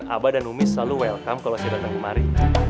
abah dan umi selalu welcome kalo saya datang kemari